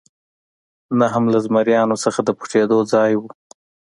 نه هم له زمریانو څخه د پټېدو ځای و.